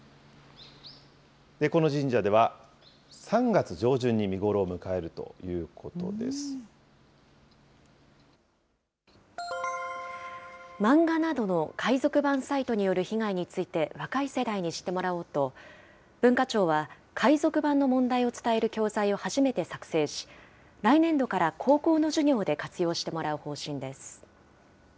この神社では、３月上旬に見頃を漫画などの海賊版サイトによる被害について、若い世代に知ってもらおうと、文化庁は海賊版の問題を伝える教材を初めて作成し、来年度から高校の授業で活用してもらう方針です。